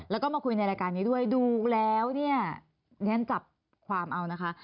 แล้วก็มาคุยในรายการนี้ด้วยดูแล้วเนี่ยเรียนจับความเอานะคะ